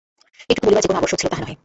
এটুকু বলিবার যে কোনো আবশ্যক ছিল তাহা নহে।